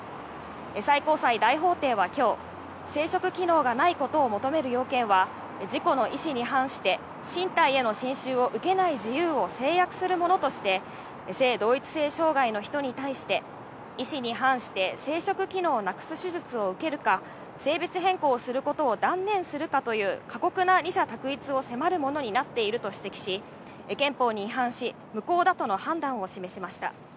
最高裁大法廷はきょう、生殖機能がないことを求める要件は、自己の意思に反して身体への侵襲を受けない自由を制約するものとして、性同一性障害の人に対して、意思に反して、生殖機能をなくす手術を受けるか、性別変更をすることを断念するかという過酷な二者択一を迫るものになっていると指摘し、憲法に違反し、無効だとの判断を示しました。